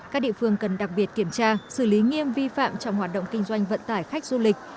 các địa phương cần đặc biệt kiểm tra xử lý nghiêm vi phạm trong hoạt động kinh doanh vận tải khách du lịch